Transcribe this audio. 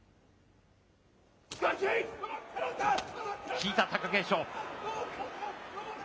引いた、貴景勝。